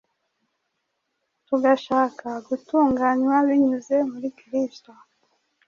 tugashaka gutunganywa binyuze muri Kristo,